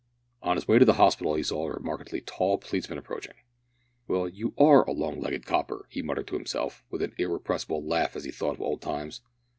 On his way to the hospital he saw a remarkably tall policeman approaching. "Well, you are a long legged copper," he muttered to himself, with an irrepressible laugh as he thought of old times.